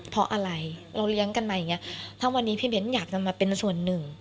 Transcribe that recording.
เพราะอะไรเราเลี้ยงกันมาอย่างนี้ถ้าวันนี้พี่เบ้นอยากจะมาเป็นส่วนหนึ่ง